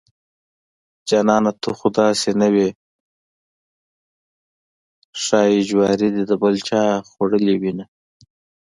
جانانه ته خوداسې نه وې ښايي جواري دې دبل چاخوړلي دينه